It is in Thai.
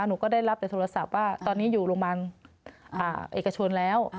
หนูก็ได้รับแต่โทรศัพท์ว่าตอนนี้อยู่โรงพยาบาลเอกชนแล้ว